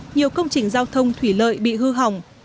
nhiều công trình giao thông thủy lợi bị hư hỏng